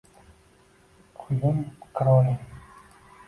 Hyum Kronin